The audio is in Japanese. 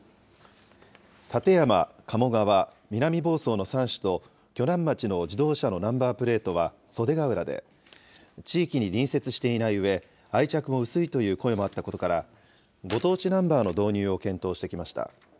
館山、鴨川、南房総の３市と、鋸南町の自動車のナンバープレートは袖ヶ浦で、地域に隣接していないうえ、愛着が薄いという声もあったことから、ご当地ナンバーの導入を検討してきました。